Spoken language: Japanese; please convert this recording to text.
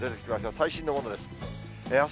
最新のものです。